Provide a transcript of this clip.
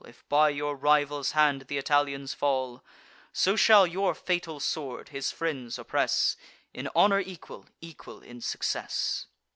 If by your rival's hand th' Italians fall, So shall your fatal sword his friends oppress, In honour equal, equal in success."